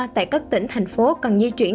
tại các tỉnh thành phố cần di chuyển